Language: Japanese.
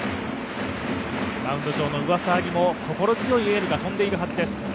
マウンド上の上沢にも心強いエールが飛んでいるはずです。